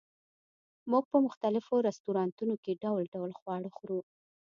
موږ په مختلفو رستورانتونو کې ډول ډول خواړه خورو